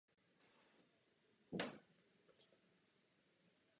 Za zásluhy byl oceněn zlatým křížem.